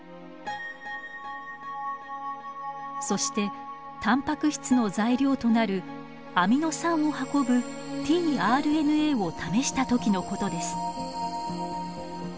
そしてタンパク質の材料となるアミノ酸を運ぶｔＲＮＡを試した時のことです。